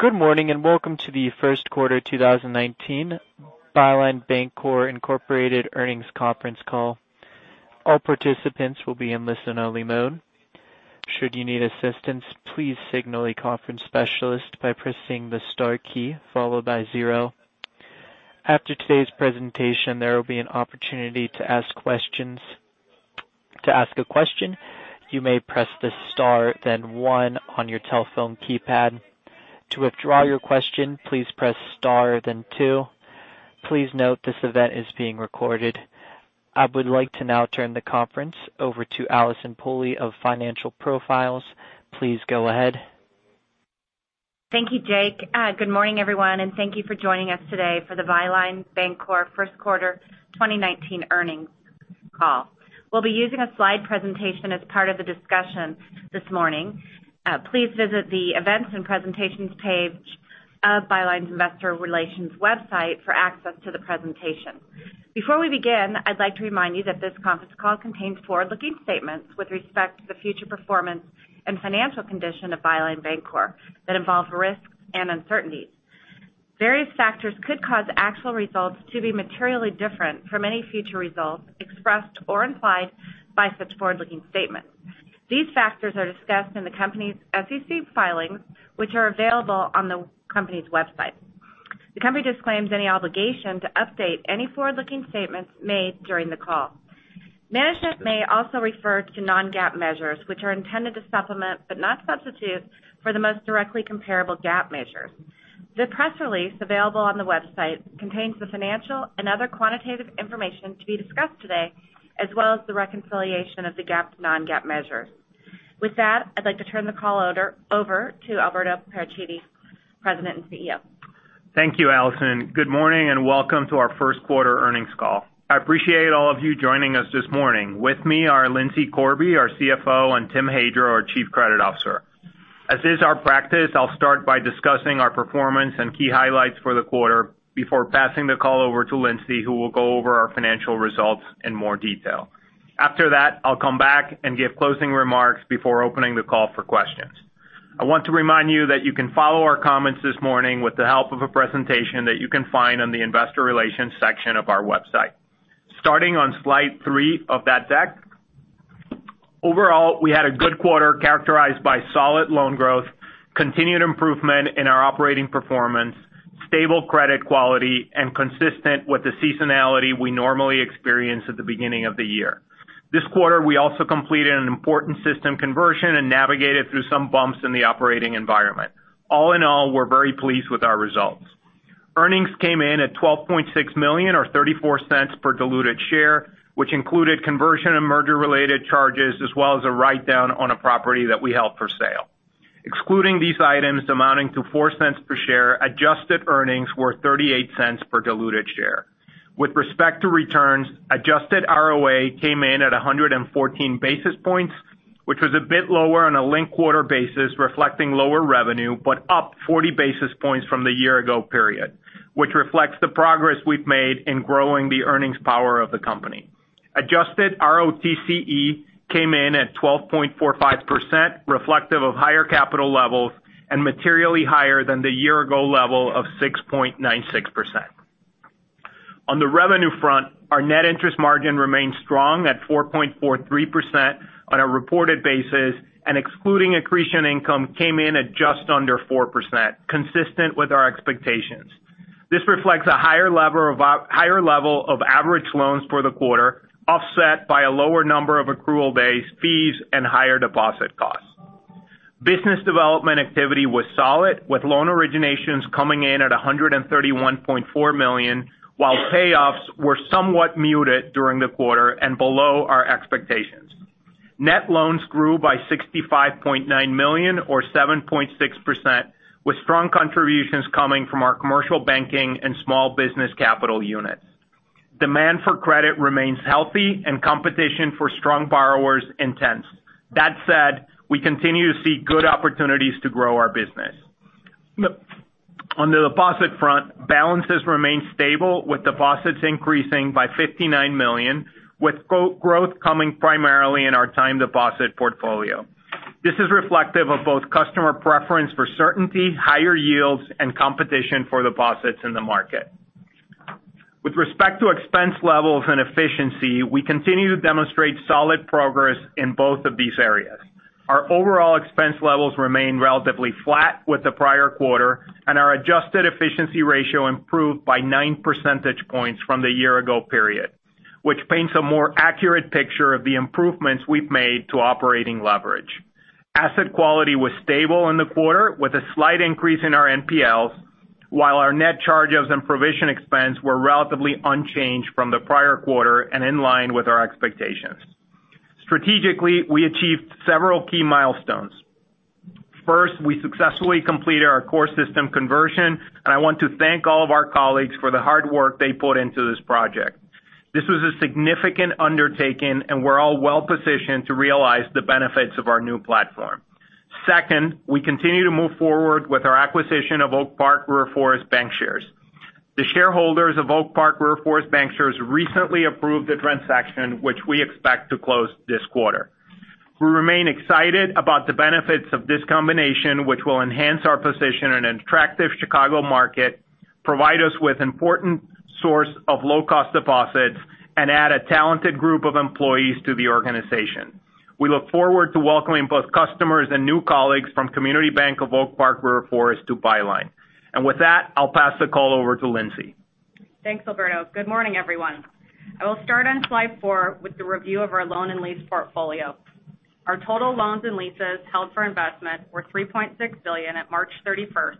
Good morning, and welcome to the first quarter 2019 Byline Bancorp, Inc. earnings conference call. All participants will be in listen only mode. Should you need assistance, please signal a conference specialist by pressing the star key followed by zero. After today's presentation, there will be an opportunity to ask questions. To ask a question, you may press the star, then one on your telephone keypad. To withdraw your question, please press star, then two. Please note this event is being recorded. I would like to now turn the conference over to Allison Poley of Financial Profiles, Inc. Please go ahead. Thank you, Jake. Good morning, everyone, and thank you for joining us today for the Byline Bancorp first quarter 2019 earnings call. We'll be using a slide presentation as part of the discussion this morning. Please visit the Events and Presentations page of Byline's Investor Relations website for access to the presentation. Before we begin, I'd like to remind you that this conference call contains forward-looking statements with respect to the future performance and financial condition of Byline Bancorp that involve risks and uncertainties. Various factors could cause actual results to be materially different from any future results expressed or implied by such forward-looking statements. These factors are discussed in the company's SEC filings, which are available on the company's website. The company disclaims any obligation to update any forward-looking statements made during the call. Management may also refer to non-GAAP measures, which are intended to supplement, but not substitute, for the most directly comparable GAAP measures. The press release available on the website contains the financial and other quantitative information to be discussed today, as well as the reconciliation of the GAAP to non-GAAP measures. With that, I'd like to turn the call over to Alberto Paracchini, President and CEO. Thank you, Allison. Good morning and welcome to our first quarter earnings call. I appreciate all of you joining us this morning. With me are Lindsay Corby, our CFO, and Tim Hadra, our Chief Credit Officer. As is our practice, I'll start by discussing our performance and key highlights for the quarter before passing the call over to Lindsay, who will go over our financial results in more detail. After that, I'll come back and give closing remarks before opening the call for questions. I want to remind you that you can follow our comments this morning with the help of a presentation that you can find on the Investor Relations section of our website. Starting on slide three of that deck. Overall, we had a good quarter characterized by solid loan growth, continued improvement in our operating performance, stable credit quality, and consistent with the seasonality we normally experience at the beginning of the year. This quarter, we also completed an important system conversion and navigated through some bumps in the operating environment. All in all, we're very pleased with our results. Earnings came in at $12.6 million, or $0.34 per diluted share, which included conversion and merger-related charges, as well as a write-down on a property that we held for sale. Excluding these items amounting to $0.04 per share, adjusted earnings were $0.38 per diluted share. With respect to returns, adjusted ROA came in at 114 basis points, which was a bit lower on a linked quarter basis, reflecting lower revenue, but up 40 basis points from the year-ago period, which reflects the progress we've made in growing the earnings power of the company. Adjusted ROTCE came in at 12.45%, reflective of higher capital levels and materially higher than the year-ago level of 6.96%. On the revenue front, our net interest margin remains strong at 4.43% on a reported basis and excluding accretion income came in at just under 4%, consistent with our expectations. This reflects a higher level of average loans for the quarter, offset by a lower number of accrual-based fees and higher deposit costs. Business development activity was solid, with loan originations coming in at $131.4 million, while payoffs were somewhat muted during the quarter and below our expectations. Net loans grew by $65.9 million or 7.6%, with strong contributions coming from our commercial banking and Small Business Capital units. Demand for credit remains healthy and competition for strong borrowers intense. That said, we continue to see good opportunities to grow our business. On the deposit front, balances remain stable with deposits increasing by $59 million, with growth coming primarily in our time deposit portfolio. This is reflective of both customer preference for certainty, higher yields, and competition for deposits in the market. With respect to expense levels and efficiency, we continue to demonstrate solid progress in both of these areas. Our overall expense levels remain relatively flat with the prior quarter, and our adjusted efficiency ratio improved by nine percentage points from the year-ago period, which paints a more accurate picture of the improvements we've made to operating leverage. Asset quality was stable in the quarter with a slight increase in our NPLs, while our net charges and provision expense were relatively unchanged from the prior quarter and in line with our expectations. Strategically, we achieved several key milestones. First, we successfully completed our core system conversion, and I want to thank all of our colleagues for the hard work they put into this project. This was a significant undertaking and we're all well-positioned to realize the benefits of our new platform. Second, we continue to move forward with our acquisition of Oak Park River Forest Bankshares, Inc. The shareholders of Oak Park River Forest Bankshares, Inc. recently approved the transaction, which we expect to close this quarter. We remain excited about the benefits of this combination, which will enhance our position in an attractive Chicago market, provide us with important source of low-cost deposits, and add a talented group of employees to the organization. We look forward to welcoming both customers and new colleagues from Community Bank of Oak Park River Forest to Byline. With that, I'll pass the call over to Lindsay. Thanks, Alberto. Good morning, everyone. I will start on slide four with the review of our loan and lease portfolio. Our total loans and leases held for investment were $3.6 billion at March 31st,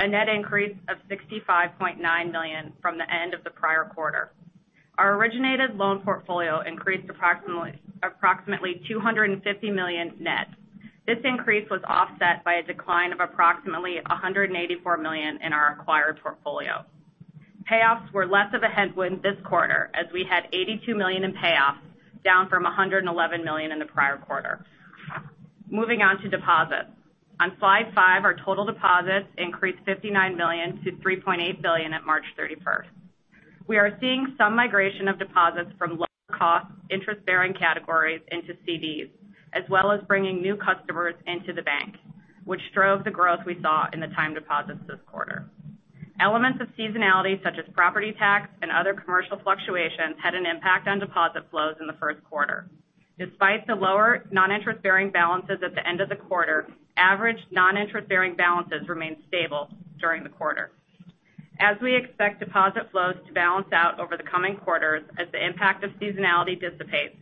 a net increase of $65.9 million from the end of the prior quarter. Our originated loan portfolio increased approximately $250 million net. This increase was offset by a decline of approximately $184 million in our acquired portfolio. Payoffs were less of a headwind this quarter as we had $82 million in payoffs, down from $111 million in the prior quarter. Moving on to deposits. On slide five, our total deposits increased $59 million to $3.8 billion at March 31st. We are seeing some migration of deposits from low-cost interest-bearing categories into CDs, as well as bringing new customers into the bank, which drove the growth we saw in the time deposits this quarter. Elements of seasonality such as property tax and other commercial fluctuations had an impact on deposit flows in the first quarter. Despite the lower non-interest-bearing balances at the end of the quarter, average non-interest-bearing balances remained stable during the quarter. As we expect deposit flows to balance out over the coming quarters as the impact of seasonality dissipates.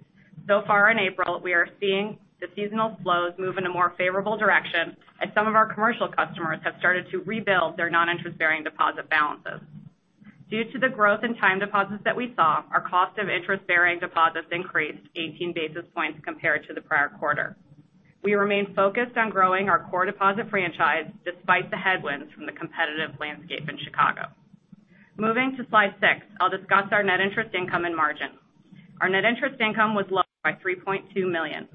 Far in April, we are seeing the seasonal flows move in a more favorable direction as some of our commercial customers have started to rebuild their non-interest-bearing deposit balances. Due to the growth in time deposits that we saw, our cost of interest-bearing deposits increased 18 basis points compared to the prior quarter. We remain focused on growing our core deposit franchise despite the headwinds from the competitive landscape in Chicago. Moving to slide six, I'll discuss our net interest income and margin. Our net interest income was low by $3.2 million.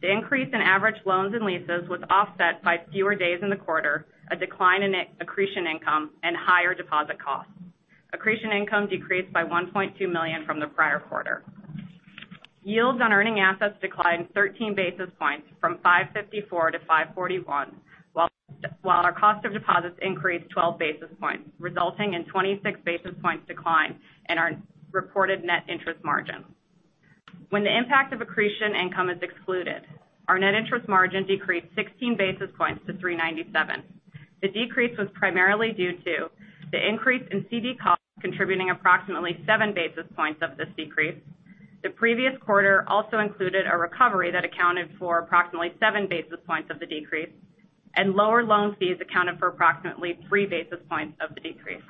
The increase in average loans and leases was offset by fewer days in the quarter, a decline in accretion income, and higher deposit costs. Accretion income decreased by $1.2 million from the prior quarter. Yields on earning assets declined 13 basis points from 554 to 541, while our cost of deposits increased 12 basis points, resulting in 26 basis points decline in our reported net interest margin. When the impact of accretion income is excluded, our net interest margin decreased 16 basis points to 397. The decrease was primarily due to the increase in CD costs contributing approximately seven basis points of this decrease. The previous quarter also included a recovery that accounted for approximately seven basis points of the decrease, and lower loan fees accounted for approximately three basis points of the decrease.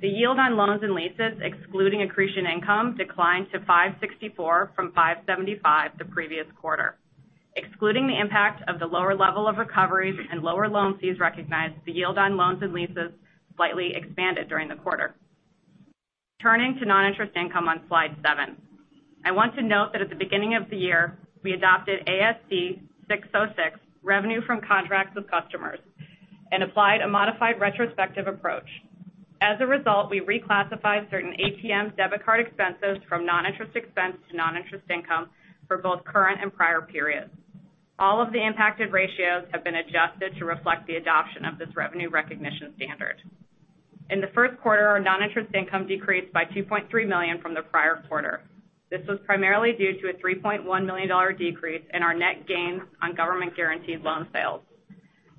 The yield on loans and leases excluding accretion income declined to 564 from 575 the previous quarter. Excluding the impact of the lower level of recoveries and lower loan fees recognized, the yield on loans and leases slightly expanded during the quarter. Turning to non-interest income on slide seven. I want to note that at the beginning of the year, we adopted ASC 606, revenue from contracts with customers, and applied a modified retrospective approach. As a result, we reclassified certain ATM debit card expenses from non-interest expense to non-interest income for both current and prior periods. All of the impacted ratios have been adjusted to reflect the adoption of this revenue recognition standard. In the first quarter, our non-interest income decreased by $2.3 million from the prior quarter. This was primarily due to a $3.1 million decrease in our net gain on government-guaranteed loan sales.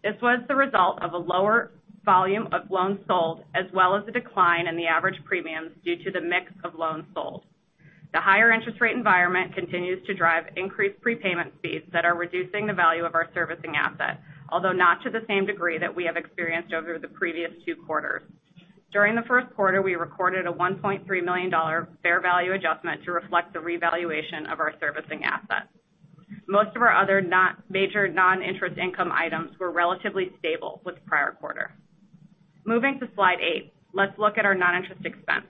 This was the result of a lower volume of loans sold, as well as a decline in the average premiums due to the mix of loans sold. The higher interest rate environment continues to drive increased prepayment fees that are reducing the value of our servicing assets, although not to the same degree that we have experienced over the previous two quarters. During the first quarter, we recorded a $1.3 million fair value adjustment to reflect the revaluation of our servicing assets. Most of our other major non-interest income items were relatively stable with the prior quarter. Moving to slide eight. Let's look at our non-interest expense.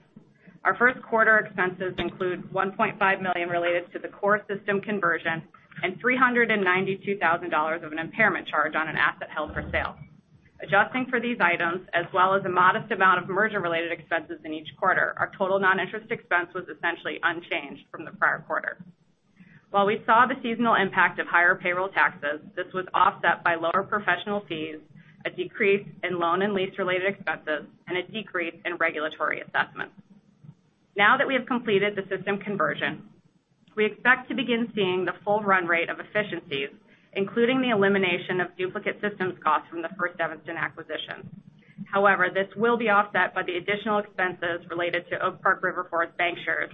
Our first quarter expenses include $1.5 million related to the core system conversion and $392,000 of an impairment charge on an asset held for sale. Adjusting for these items, as well as a modest amount of merger-related expenses in each quarter, our total non-interest expense was essentially unchanged from the prior quarter. While we saw the seasonal impact of higher payroll taxes, this was offset by lower professional fees, a decrease in loan and lease-related expenses, and a decrease in regulatory assessments. Now that we have completed the system conversion, we expect to begin seeing the full run rate of efficiencies, including the elimination of duplicate systems costs from the First Evanston acquisition. However, this will be offset by the additional expenses related to Oak Park River Forest Bankshares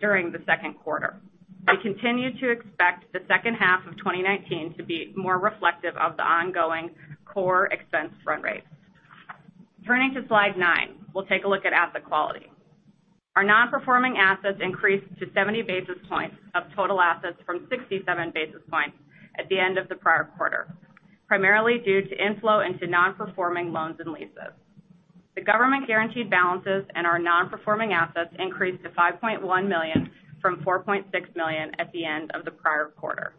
during the second quarter. We continue to expect the second half of 2019 to be more reflective of the ongoing core expense run rates. Turning to slide nine, we'll take a look at asset quality. Our non-performing assets increased to 70 basis points of total assets from 67 basis points at the end of the prior quarter, primarily due to inflow into non-performing loans and leases. The government-guaranteed balances and our non-performing assets increased to $5.1 million from $4.6 million at the end of the prior quarter.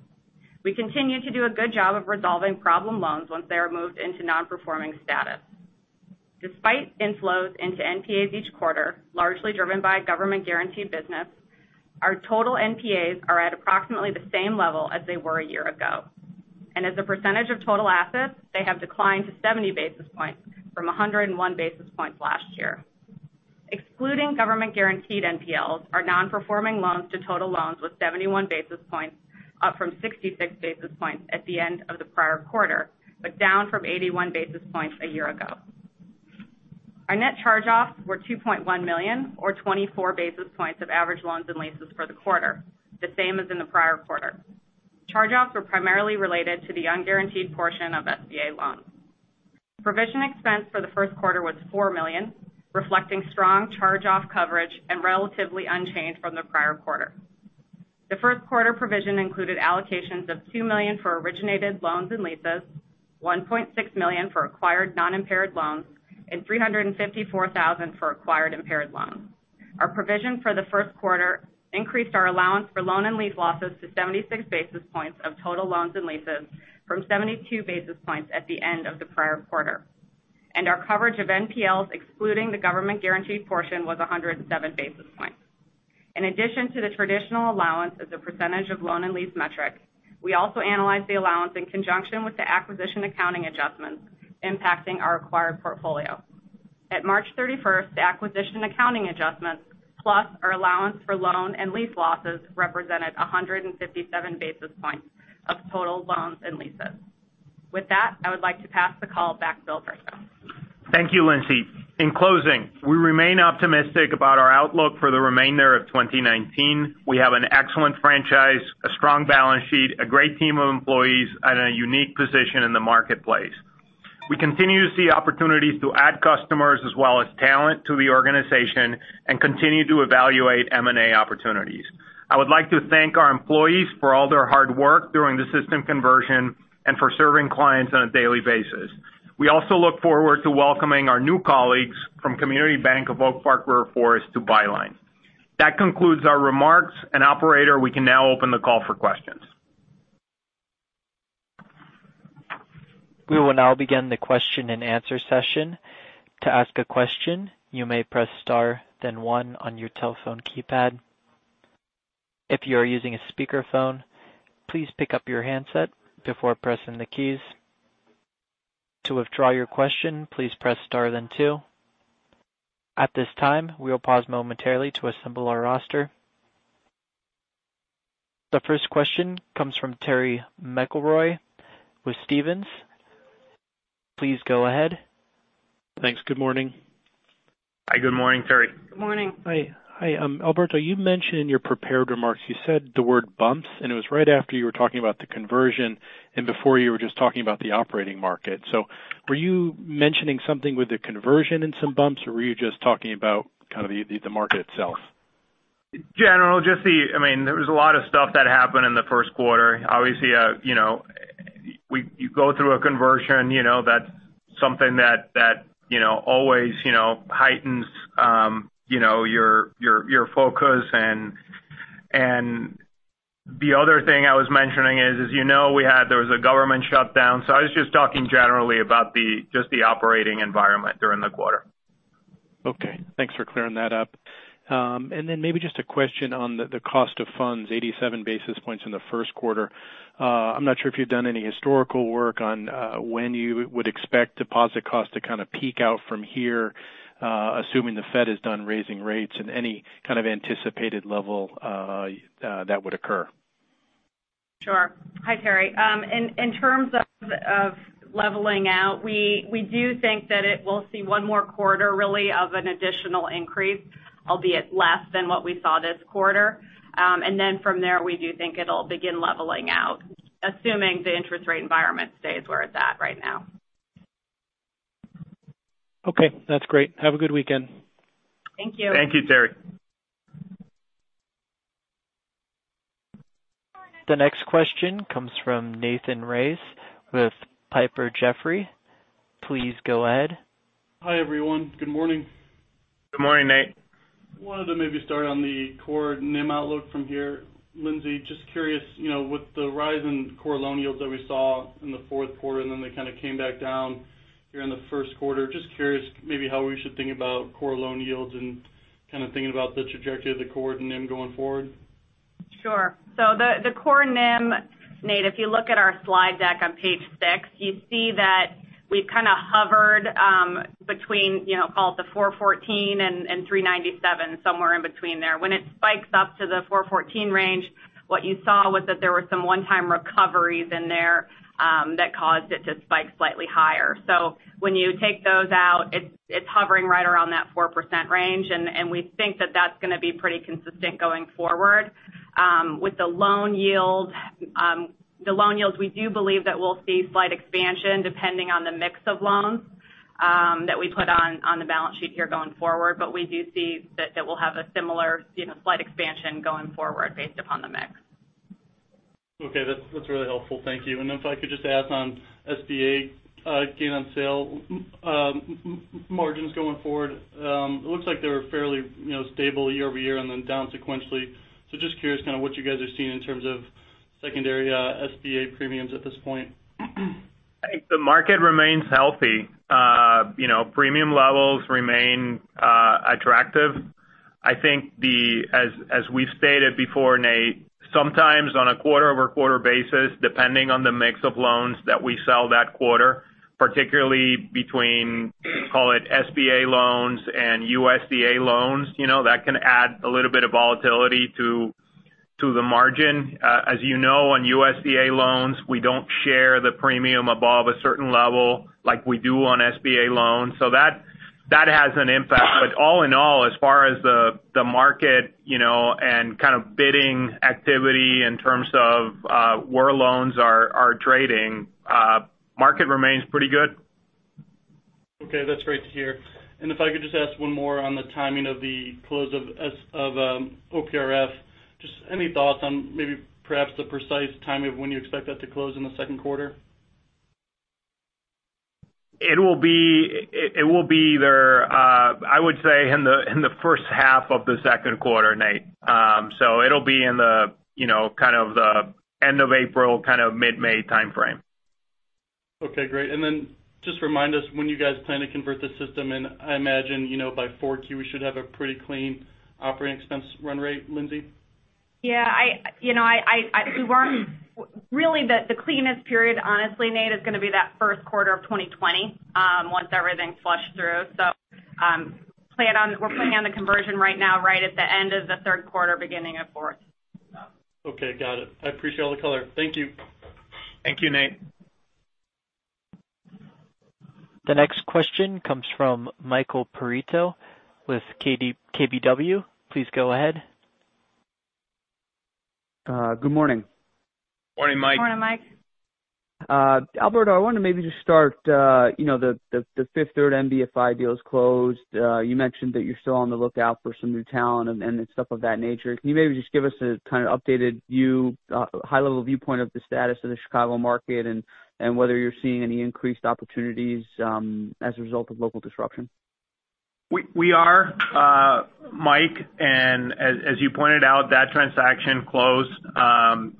We continue to do a good job of resolving problem loans once they are moved into non-performing status. Despite inflows into NPAs each quarter, largely driven by government-guaranteed business, our total NPAs are at approximately the same level as they were a year ago. As a percentage of total assets, they have declined to 70 basis points from 101 basis points last year. Excluding government guaranteed NPLs, our non-performing loans to total loans was 71 basis points, up from 66 basis points at the end of the prior quarter, down from 81 basis points a year ago. Our net charge-offs were $2.1 million or 24 basis points of average loans and leases for the quarter, the same as in the prior quarter. Charge-offs were primarily related to the unguaranteed portion of SBA loans. Provision expense for the first quarter was $4 million, reflecting strong charge-off coverage and relatively unchanged from the prior quarter. The first quarter provision included allocations of $2 million for originated loans and leases, $1.6 million for acquired non-impaired loans, and $354,000 for acquired impaired loans. Our provision for the first quarter increased our allowance for loan and lease losses to 76 basis points of total loans and leases from 72 basis points at the end of the prior quarter. Our coverage of NPLs, excluding the government guaranteed portion, was 107 basis points. In addition to the traditional allowance as a percentage of loan and lease metric, we also analyzed the allowance in conjunction with the acquisition accounting adjustments impacting our acquired portfolio. At March 31st, the acquisition accounting adjustments, plus our allowance for loan and lease losses, represented 157 basis points of total loans and leases. With that, I would like to pass the call back to Alberto. Thank you, Lindsay. In closing, we remain optimistic about our outlook for the remainder of 2019. We have an excellent franchise, a strong balance sheet, a great team of employees, and a unique position in the marketplace. We continue to see opportunities to add customers as well as talent to the organization and continue to evaluate M&A opportunities. I would like to thank our employees for all their hard work during the system conversion and for serving clients on a daily basis. We also look forward to welcoming our new colleagues from Community Bank of Oak Park River Forest to Byline. That concludes our remarks, operator, we can now open the call for questions. We will now begin the question and answer session. To ask a question, you may press star then one on your telephone keypad. If you are using a speakerphone, please pick up your handset before pressing the keys. To withdraw your question, please press star then two. At this time, we will pause momentarily to assemble our roster. The first question comes from Terry McEvoy with Stephens. Please go ahead. Thanks. Good morning. Hi. Good morning, Terry. Good morning. Hi. Alberto, you mentioned in your prepared remarks, you said the word bumps. It was right after you were talking about the conversion and before you were just talking about the operating market. Were you mentioning something with the conversion and some bumps, or were you just talking about the market itself? General, there was a lot of stuff that happened in the first quarter. Obviously, you go through a conversion, that's something that always heightens your focus. The other thing I was mentioning is, as you know, there was a government shutdown. I was just talking generally about just the operating environment during the quarter. Okay. Thanks for clearing that up. Then maybe just a question on the cost of funds, 87 basis points in the first quarter. I'm not sure if you've done any historical work on when you would expect deposit costs to kind of peak out from here, assuming the Fed is done raising rates and any kind of anticipated level that would occur. Sure. Hi, Terry. In terms of leveling out, we do think that it will see one more quarter really of an additional increase, albeit less than what we saw this quarter. Then from there, we do think it'll begin leveling out, assuming the interest rate environment stays where it's at right now. Okay. That's great. Have a good weekend. Thank you. Thank you, Terry. The next question comes from Nathan Race with Piper Jaffray. Please go ahead. Hi, everyone. Good morning. Good morning, Nate. Wanted to maybe start on the core NIM outlook from here. Lindsay, just curious, with the rise in core loan yields that we saw in the fourth quarter, and then they kind of came back down here in the first quarter. Just curious maybe how we should think about core loan yields and kind of thinking about the trajectory of the core NIM going forward. Sure. The core NIM, Nate, if you look at our slide deck on page six, you see that we've kind of hovered between, call it the 414 and 397, somewhere in between there. When it spikes up to the 414 range, what you saw was that there were some one-time recoveries in there that caused it to spike slightly higher. When you take those out, it's hovering right around that 4% range, we think that that's going to be pretty consistent going forward. With the loan yield, we do believe that we'll see slight expansion depending on the mix of loans that we put on the balance sheet here going forward. We do see that that will have a similar slight expansion going forward based upon the mix. Okay. That's really helpful. Thank you. Then if I could just ask on SBA gain on sale margins going forward. It looks like they were fairly stable year-over-year and then down sequentially. Just curious kind of what you guys are seeing in terms of secondary SBA premiums at this point. I think the market remains healthy. Premium levels remain attractive. I think as we've stated before, Nate, sometimes on a quarter-over-quarter basis, depending on the mix of loans that we sell that quarter, particularly between, call it SBA loans and USDA loans, that can add a little bit of volatility to the margin. As you know, on USDA loans, we don't share the premium above a certain level like we do on SBA loans. That has an impact. All in all, as far as the market and kind of bidding activity in terms of where loans are trading, market remains pretty good. Okay. That's great to hear. If I could just ask one more on the timing of the close of OPRF. Just any thoughts on maybe perhaps the precise timing of when you expect that to close in the second quarter? It will be either, I would say, in the first half of the second quarter, Nate. It'll be in the end of April, mid-May timeframe. Okay, great. Just remind us when you guys plan to convert the system, I imagine by 4Q, we should have a pretty clean operating expense run rate, Lindsay? Yeah. Really, the cleanest period, honestly, Nate, is going to be that first quarter of 2020 once everything's flushed through. We're planning on the conversion right now right at the end of the third quarter, beginning of fourth. Okay, got it. I appreciate all the color. Thank you. Thank you, Nate. The next question comes from Michael Perito with KBW. Please go ahead. Good morning. Morning, Mike. Morning, Mike. Alberto, I want to maybe just start. The Fifth Third MBFI deal is closed. You mentioned that you're still on the lookout for some new talent and stuff of that nature. Can you maybe just give us a kind of updated high-level viewpoint of the status of the Chicago market and whether you're seeing any increased opportunities as a result of local disruption? We are, Mike. As you pointed out, that transaction closed.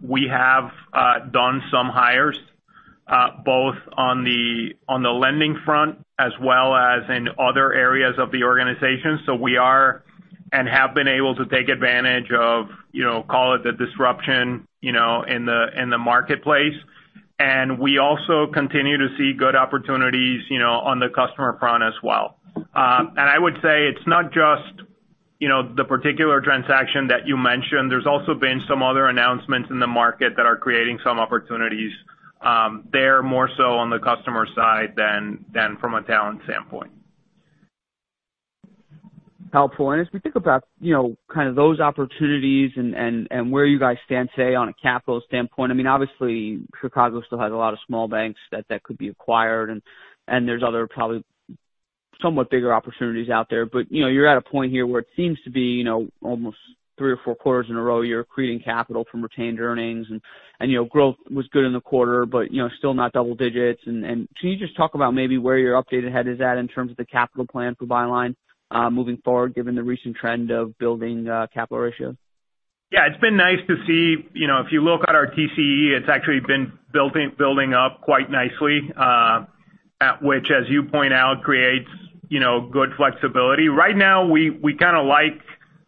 We have done some hires both on the lending front as well as in other areas of the organization. We are and have been able to take advantage of, call it the disruption in the marketplace. We also continue to see good opportunities on the customer front as well. I would say it's not just the particular transaction that you mentioned. There's also been some other announcements in the market that are creating some opportunities there, more so on the customer side than from a talent standpoint. Helpful. As we think about kind of those opportunities and where you guys stand today on a capital standpoint, obviously Chicago still has a lot of small banks that could be acquired, and there's other probably somewhat bigger opportunities out there. You're at a point here where it seems to be almost three or four quarters in a row you're creating capital from retained earnings. Growth was good in the quarter but still not double digits. Can you just talk about maybe where your updated head is at in terms of the capital plan for Byline moving forward given the recent trend of building capital ratios? Yeah. It's been nice to see. If you look at our TCE, it's actually been building up quite nicely, which as you point out, creates good flexibility. Right now, we kind of like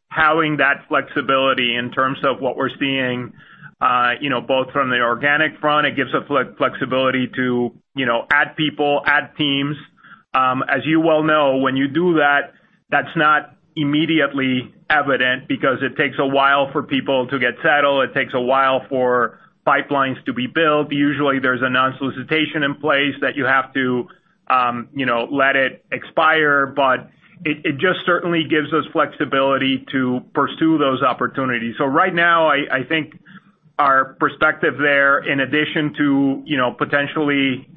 having that flexibility in terms of what we're seeing both from the organic front. It gives us flexibility to add people, add teams. As you well know, when you do that's not immediately evident because it takes a while for people to get settled. It takes a while for pipelines to be built. Usually, there's a non-solicitation in place that you have to let it expire. It just certainly gives us flexibility to pursue those opportunities. Right now, I think our perspective there, in addition to potentially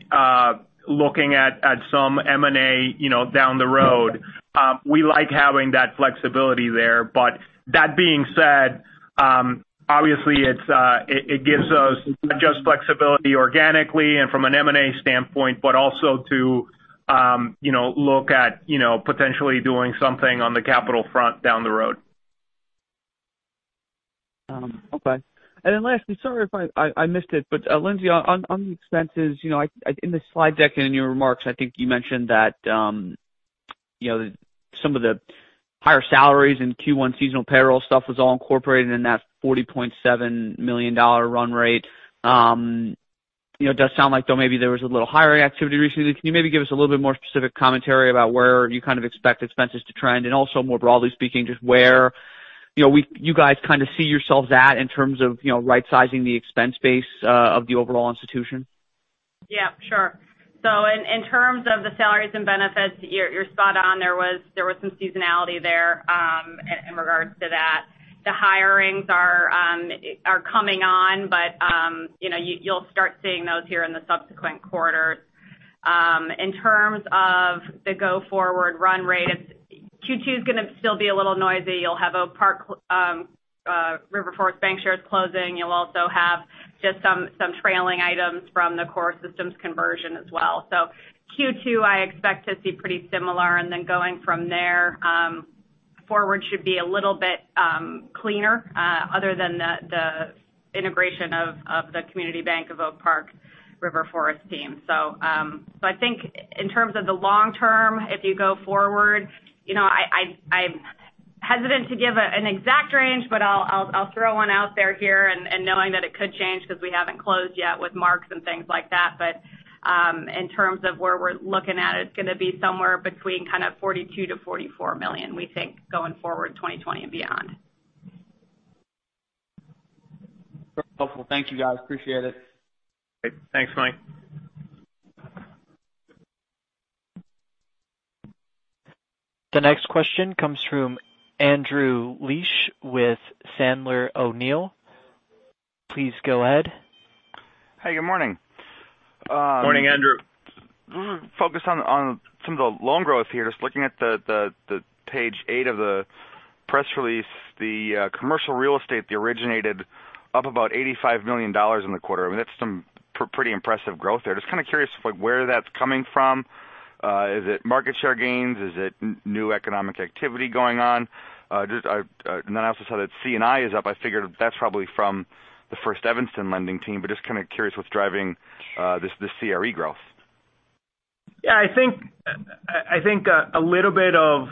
looking at some M&A down the road, we like having that flexibility there. That being said, obviously it gives us not just flexibility organically and from an M&A standpoint but also to look at potentially doing something on the capital front down the road. Okay. Lastly, sorry if I missed it, but Lindsay, on the expenses, in the slide deck and in your remarks, I think you mentioned that some of the higher salaries in Q1 seasonal payroll stuff was all incorporated in that $40.7 million run rate. It does sound like though maybe there was a little hiring activity recently. Can you maybe give us a little bit more specific commentary about where you kind of expect expenses to trend? Also more broadly speaking, just where you guys kind of see yourselves at in terms of right-sizing the expense base of the overall institution? Yeah, sure. In terms of the salaries and benefits, you're spot on. There was some seasonality there in regards to that. The hirings are coming on, but you'll start seeing those here in the subsequent quarters. In terms of the go-forward run rate, Q2's going to still be a little noisy. You'll have Oak Park River Forest Bankshares, Inc. closing. You'll also have just some trailing items from the core systems conversion as well. Q2, I expect to see pretty similar. Going from thereForward should be a little bit cleaner other than the integration of the Community Bank of Oak Park River Forest team. I think in terms of the long term, if you go forward, I'm hesitant to give an exact range, but I'll throw one out there here and knowing that it could change because we haven't closed yet with marks and things like that. In terms of where we're looking at, it's going to be somewhere between kind of $42 million to $44 million, we think, going forward 2020 and beyond. Very helpful. Thank you guys. Appreciate it. Great. Thanks, Mike. The next question comes from Andrew Liesch with Sandler O'Neill. Please go ahead. Hey, good morning. Morning, Andrew. Focus on some of the loan growth here. Just looking at the page eight of the press release, the commercial real estate, you originated up about $85 million in the quarter. I mean, that's some pretty impressive growth there. Just kind of curious, like where that's coming from. Is it market share gains? Is it new economic activity going on? I also saw that C&I is up. I figured that's probably from the First Evanston lending team, but just kind of curious what's driving this CRE growth. Yeah, I think a little bit of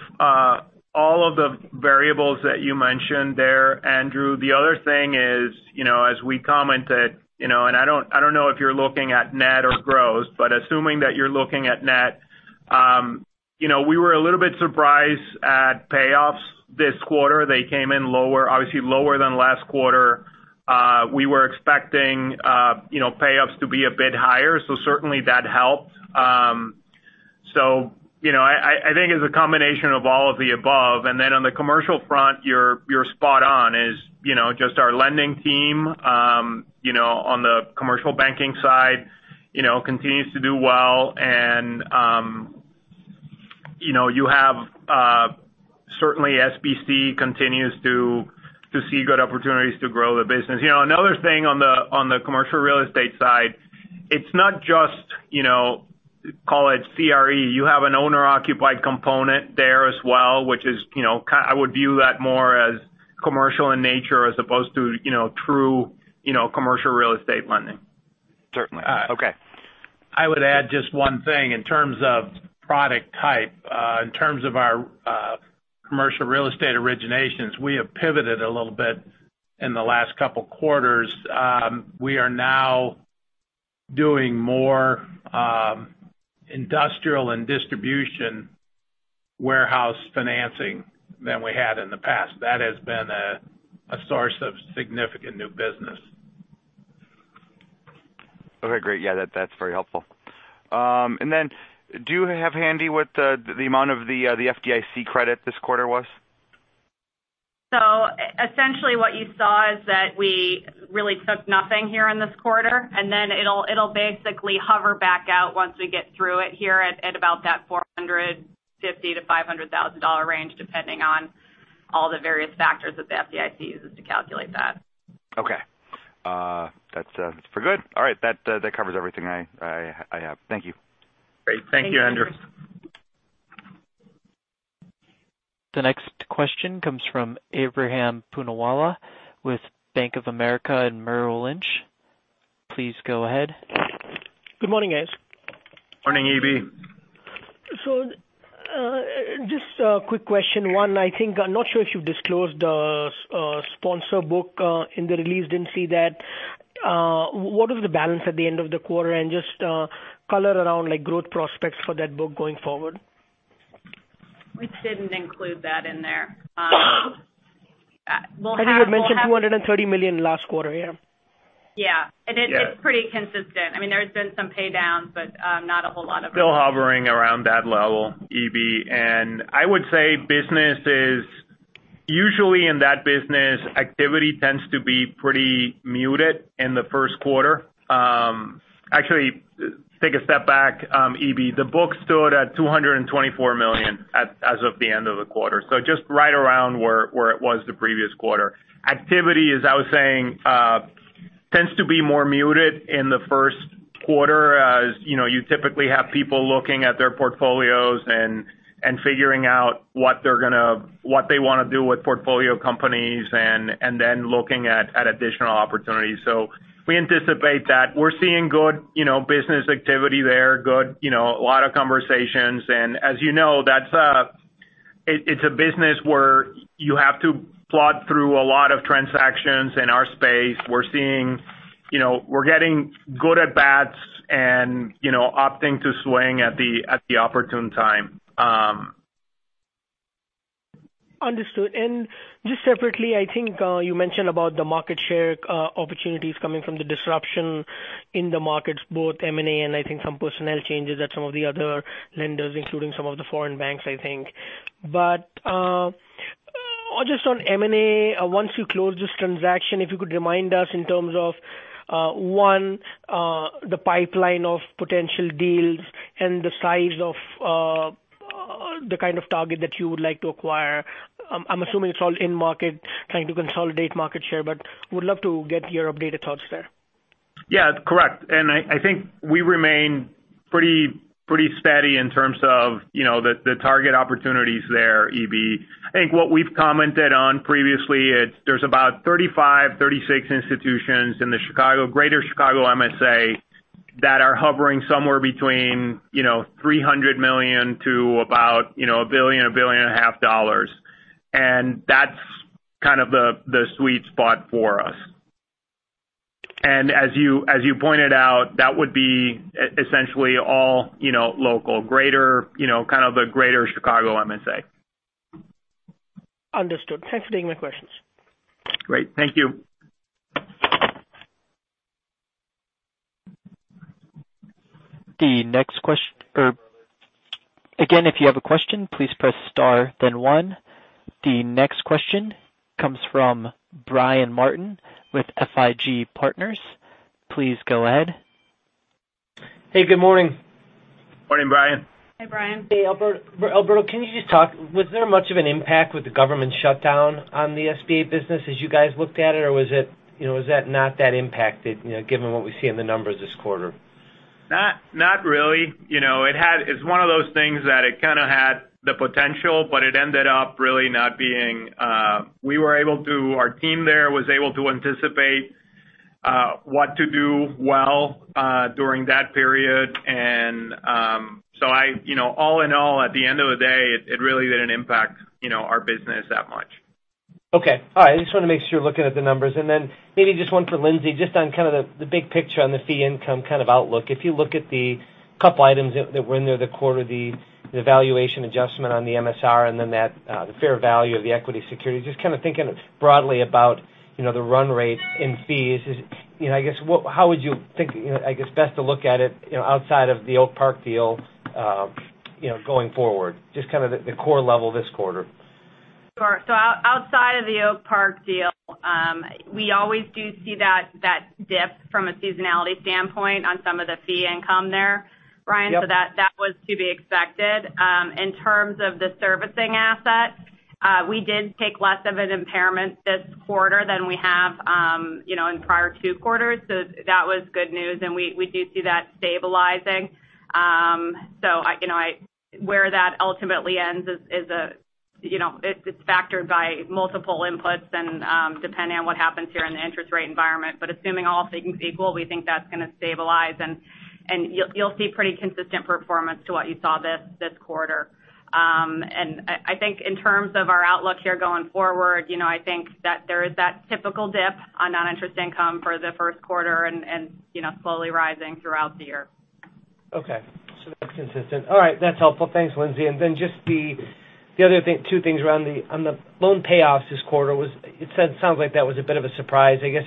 all of the variables that you mentioned there, Andrew. The other thing is as we commented, and I don't know if you're looking at net or gross, but assuming that you're looking at net. We were a little bit surprised at payoffs this quarter. They came in lower, obviously lower than last quarter. We were expecting payoffs to be a bit higher. Certainly that helped. I think it's a combination of all of the above. On the commercial front, you're spot on is just our lending team on the commercial banking side continues to do well and you have certainly SBC continues to see good opportunities to grow the business. Another thing on the commercial real estate side, it's not just call it CRE. You have an owner-occupied component there as well, which I would view that more as commercial in nature as opposed to true commercial real estate lending. Certainly. Okay. I would add just one thing in terms of product type. In terms of our commercial real estate originations, we have pivoted a little bit in the last couple quarters. We are now doing more industrial and distribution warehouse financing than we had in the past. That has been a source of significant new business. Okay, great. Yeah, that's very helpful. Do you have handy what the amount of the FDIC credit this quarter was? Essentially what you saw is that we really took nothing here in this quarter, and then it'll basically hover back out once we get through it here at about that $450,000-$500,000 range, depending on all the various factors that the FDIC uses to calculate that. Okay. That's pretty good. All right, that covers everything I have. Thank you. Great. Thank you, Andrew. Thank you. The next question comes from Ebrahim Poonawala with Bank of America and Merrill Lynch. Please go ahead. Good morning, guys. Morning, AB. Just a quick question. One, I think I'm not sure if you've disclosed the sponsor book in the release, didn't see that. What is the balance at the end of the quarter? Just color around like growth prospects for that book going forward. We didn't include that in there. I think you mentioned $230 million last quarter. Yeah. Yeah. Yeah. It's pretty consistent. I mean, there's been some pay downs, but not a whole lot of- Still hovering around that level, AB. I would say business is usually in that business, activity tends to be pretty muted in the first quarter. Actually, take a step back, AB. The book stood at $224 million as of the end of the quarter. Just right around where it was the previous quarter. Activity, as I was saying tends to be more muted in the first quarter as you typically have people looking at their portfolios and figuring out what they want to do with portfolio companies and then looking at additional opportunities. We anticipate that. We're seeing good business activity there, a lot of conversations. As you know, it's a business where you have to plod through a lot of transactions in our space. We're getting good at bats and opting to swing at the opportune time. Understood. Just separately, I think you mentioned about the market share opportunities coming from the disruption in the markets, both M&A and I think some personnel changes at some of the other lenders, including some of the foreign banks, I think. Just on M&A, once you close this transaction, if you could remind us in terms of one, the pipeline of potential deals and the size of the kind of target that you would like to acquire. I'm assuming it's all in market trying to consolidate market share, but would love to get your updated thoughts there. Yeah, correct. I think we remain pretty steady in terms of the target opportunities there, EB. I think what we've commented on previously, there's about 35, 36 institutions in the Greater Chicago MSA that are hovering somewhere between $300 million to about $1 billion-$1.5 billion. That's kind of the sweet spot for us. As you pointed out, that would be essentially all local. Kind of the Greater Chicago MSA. Understood. Thanks for taking my questions. Great. Thank you. Again, if you have a question, please press star then one. The next question comes from Brian Martin with FIG Partners. Please go ahead. Hey, good morning. Morning, Brian. Hi, Brian. Hey, Alberto. Alberto, can you just talk, was there much of an impact with the government shutdown on the SBA business as you guys looked at it, or was that not that impacted given what we see in the numbers this quarter? Not really. It's one of those things that it kind of had the potential, but it ended up really not being. Our team there was able to anticipate what to do well during that period. All in all, at the end of the day, it really didn't impact our business that much. Okay. All right. I just wanted to make sure looking at the numbers, then maybe just one for Lindsay, just on kind of the big picture on the fee income kind of outlook. If you look at the couple items that were in there the quarter, the valuation adjustment on the MSR, then the fair value of the equity security, just kind of thinking broadly about the run rate in fees. I guess, how would you think, I guess, best to look at it outside of the Oak Park deal going forward, just kind of the core level this quarter? Sure. Outside of the Oak Park deal, we always do see that dip from a seasonality standpoint on some of the fee income there, Brian. Yep. That was to be expected. In terms of the servicing assets, we did take less of an impairment this quarter than we have in prior two quarters. That was good news, we do see that stabilizing. Where that ultimately ends is, it's factored by multiple inputs depending on what happens here in the interest rate environment. Assuming all things equal, we think that's going to stabilize, you'll see pretty consistent performance to what you saw this quarter. I think in terms of our outlook here going forward, I think that there is that typical dip on non-interest income for the first quarter slowly rising throughout the year. Okay. That's consistent. All right, that's helpful. Thanks, Lindsay. Just the other two things around on the loan payoffs this quarter. It sounds like that was a bit of a surprise, I guess.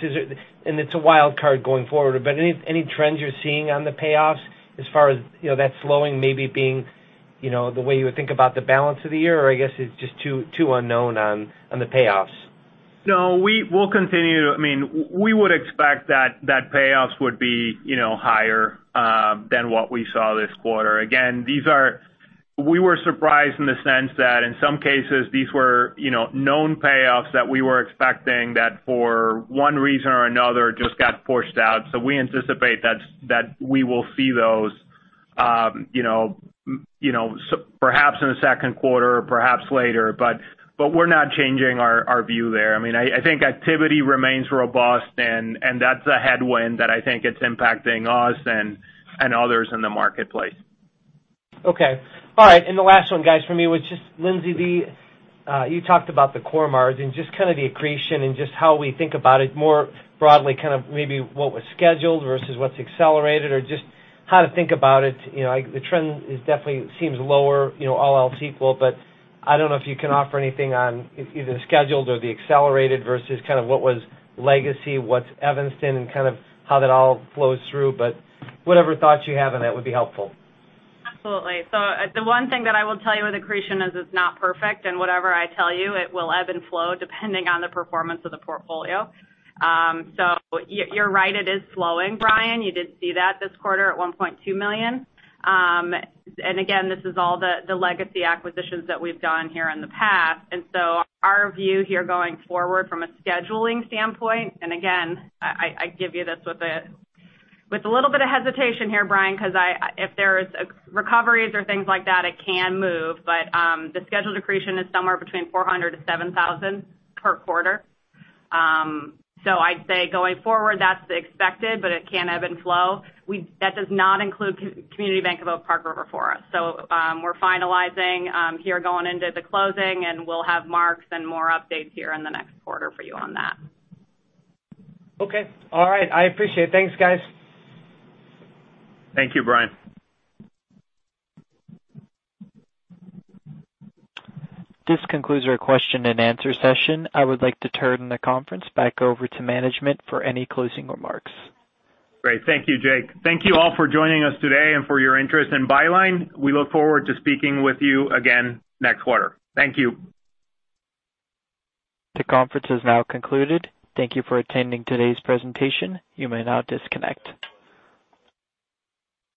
It's a wild card going forward, any trends you're seeing on the payoffs as far as that slowing maybe being the way you would think about the balance of the year, or I guess it's just too unknown on the payoffs? No, we would expect that payoffs would be higher than what we saw this quarter. Again, we were surprised in the sense that in some cases these were known payoffs that we were expecting that for one reason or another just got pushed out. We anticipate that we will see those perhaps in the second quarter or perhaps later, but we're not changing our view there. I think activity remains robust, and that's a headwind that I think it's impacting us and others in the marketplace. Okay. All right. The last one, guys, from me was just Lindsay, you talked about the core margin, just kind of the accretion and just how we think about it more broadly, kind of maybe what was scheduled versus what's accelerated or just how to think about it. The trend definitely seems lower, all else equal. I don't know if you can offer anything on either the scheduled or the accelerated versus kind of what was legacy, what's Evanston, and kind of how that all flows through. Whatever thoughts you have on that would be helpful. Absolutely. The one thing that I will tell you with accretion is it's not perfect, and whatever I tell you, it will ebb and flow depending on the performance of the portfolio. You're right, it is slowing, Brian. You did see that this quarter at $1.2 million. Again, this is all the legacy acquisitions that we've done here in the past. Our view here going forward from a scheduling standpoint, and again, I give you this with a little bit of hesitation here, Brian, because if there's recoveries or things like that, it can move. The scheduled accretion is somewhere between $400-$7,000 per quarter. I'd say going forward, that's expected, but it can ebb and flow. That does not include Community Bank of Oak Park River Forest. We're finalizing here going into the closing, and we'll have marks and more updates here in the next quarter for you on that. Okay. All right. I appreciate it. Thanks, guys. Thank you, Brian. This concludes our question and answer session. I would like to turn the conference back over to management for any closing remarks. Great. Thank you, Jake. Thank you all for joining us today and for your interest in Byline. We look forward to speaking with you again next quarter. Thank you. The conference has now concluded. Thank you for attending today's presentation. You may now disconnect.